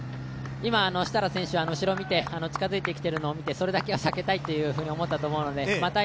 設楽選手、後ろを見て近づいてきているのを見て避けたいと思っているのでまた